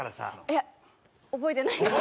いや覚えてないです。